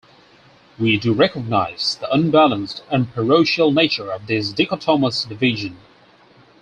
We do recognize the unbalanced and parochial nature of this dichotomous division.